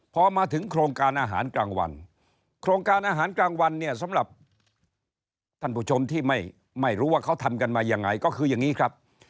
พอมาถึงโครงการอาหารกลางวันโครงการอาหารกลางวันเนี่ยสำหรับท่านผู้ชมที่ไม่รู้ว่าเขาทำกันมายังไงก็คืออย่างนี้ครับ